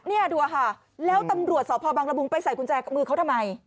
เนี่ยดูค่ะแล้วตำรวจสพบังละมุงไปใส่กุญแจมือเขาทำไม